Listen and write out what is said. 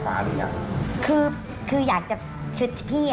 มันคิดได้หมดละค่ะตอนนี้